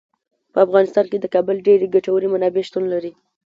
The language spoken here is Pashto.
په افغانستان کې د کابل ډیرې ګټورې منابع شتون لري.